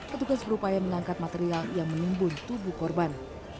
petugas berupaya mengangkat material yang menimbun tubuh korban